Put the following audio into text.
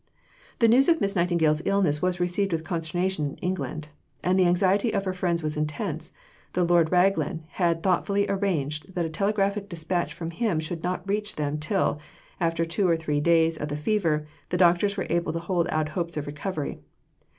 The news of Miss Nightingale's illness was received with consternation in England, and the anxiety of her friends was intense, though Lord Raglan had thoughtfully arranged that a telegraphic dispatch from him should not reach them till, after two or three days of the fever, the doctors were able to hold out hopes of recovery.